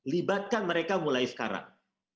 libatkan mereka mulai sekarang